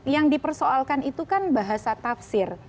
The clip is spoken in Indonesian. yang dipersoalkan itu kan bahasa tafsir